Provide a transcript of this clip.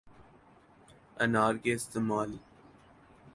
انار کے استعمال